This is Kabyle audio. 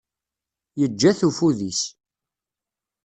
Yeǧǧa-t ufud-is.